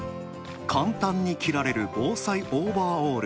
簡単に着られる防災オーバーオール。